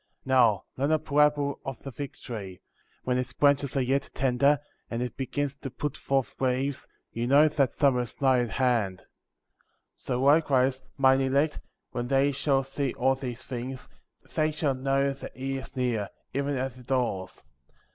38. Now learn a parable of the fig tree :— when its branches are yet tender, and it begins to put forth leaves, you know that summer is nigh at hand; 39. So likewise, mine elect, when they shall see all these things, they shall know that he is near, even at the doors; 40.